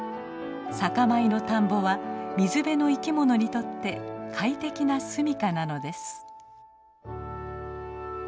酒米の田んぼは水辺の生き物にとって快適な住みかなのです。